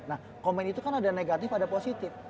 nah komen itu kan ada negatif ada positif